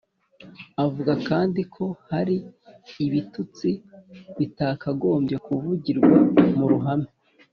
avuga kandi ko hari ibitutsi bitakagombye kuvugirwa mu ruhame.